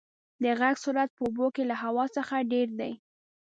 د غږ سرعت په اوبو کې له هوا څخه ډېر دی.